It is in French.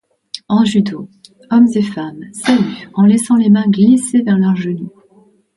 En judo, hommes et femmes saluent en laissant les mains glisser vers leurs genoux.